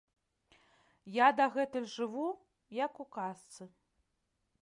Я дагэтуль жыву, як у казцы.